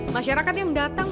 masyarakat yang datang bembangkan